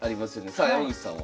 さあ山口さんは？